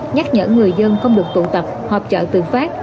nhắc nhở người dân không được tụ tập họp chợ tự phát